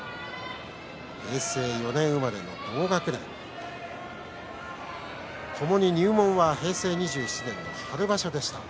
平成４年生まれの同学年ともに入門後は平成２７年の春場所でした。